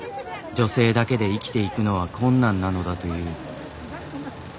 女性だけで生きていくのは困難なのだという。